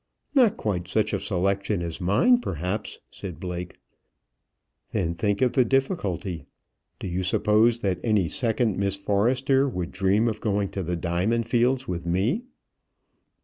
"Not quite such a selection as mine, perhaps," said Blake. "Then think of the difficulty. Do you suppose that any second Miss Forrester would dream of going to the diamond fields with me?"